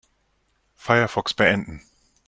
Firefox beenden.